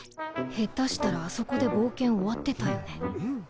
下手したらあそこで冒険終わってたよね。